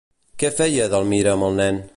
Què feia Edelmira amb el nen?